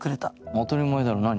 当たり前だろ何？